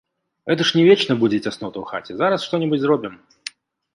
Гэта ж не вечна будзе цяснота ў хаце, зараз што-небудзь зробім.